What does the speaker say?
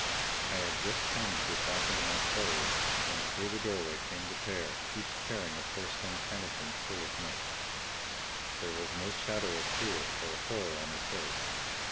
I had just time to get back in my clothes when through the doorway came the pair, each carrying a porcelain pannikin full of milk. There was no shadow of fear or horror on her face.